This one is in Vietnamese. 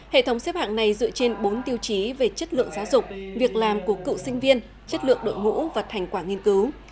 hệ thống xếp hạng này dựa trên bốn tiêu chí về chất lượng giáo dục việc làm của cựu sinh viên chất lượng đội ngũ và thành quả nghiên cứu